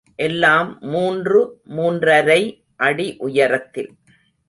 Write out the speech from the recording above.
எல்லாம் மூன்று, மூன்றரை அடி உயரத்தில்.